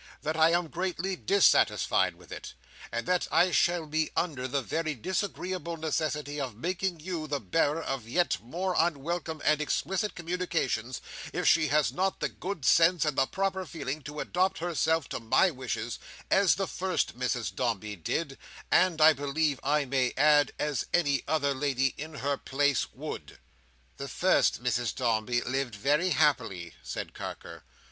That I am greatly dissatisfied with it. And that I shall be under the very disagreeable necessity of making you the bearer of yet more unwelcome and explicit communications, if she has not the good sense and the proper feeling to adapt herself to my wishes, as the first Mrs Dombey did, and, I believe I may add, as any other lady in her place would." "The first Mrs Dombey lived very happily," said Carker.